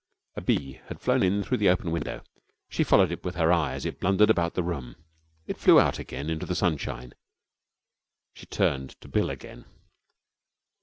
A bee had flown in through the open window. She followed it with her eye as it blundered about the room. It flew out again into the sunshine. She turned to Bill again.